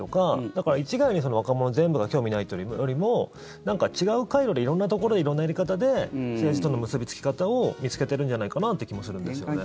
だから一概に若者全部が興味ないっていうよりもなんか違う回路で色んなところで、色んなやり方で政治との結びつき方を見つけてるんじゃないのかなって気もするんですよね。